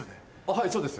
はいそうです。